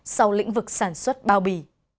sau lĩnh vực sản xuất bao bì